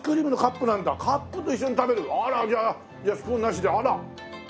あらじゃあスプーンなしであら！